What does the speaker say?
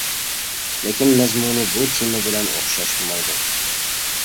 لېكىن مەزمۇنى بۇ تېما بىلەن ئوخشاشمايدۇ.